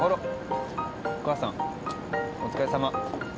お母さんお疲れさま。